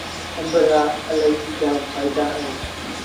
آݩب رآ الهيٚ جآم ڦآئيدآ اوهيݩ۔